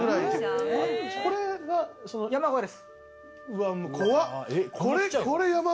これが山小屋です。